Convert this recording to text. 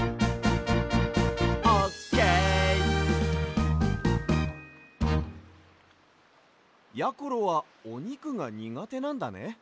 オーケ−！やころはおにくがにがてなんだね。